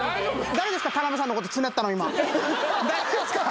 誰ですか？